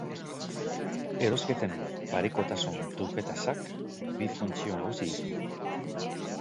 Erosketen parekotasun truke-tasak bi funtzio nagusi ditu.